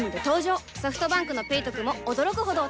ソフトバンクの「ペイトク」も驚くほどおトク